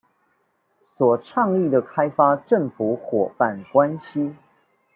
所倡議的開放政府夥伴關係